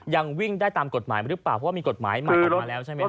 ยังวิ่งได้ตามกฎหมายหรือเปล่าเพราะว่ามีกฎหมายใหม่ออกมาแล้วใช่ไหมครับ